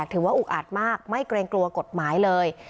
อุกอัดมากไม่เกรงกลัวกฎหมายเลย